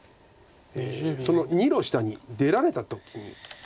その２路下に出られた時に。